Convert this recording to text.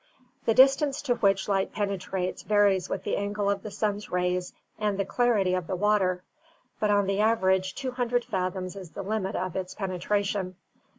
The distance to which light penetrates varies with the angle of the sun's rays and the clarity of the water; but on the average 200 fathoms is the limit of its penetration.